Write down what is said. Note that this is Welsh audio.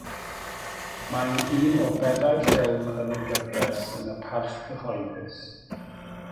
Mae'n un o bedair ffilm yn y gyfres yn y parth cyhoeddus.